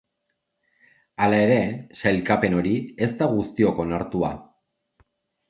Hala ere, sailkapen hori ez da guztiok onartua.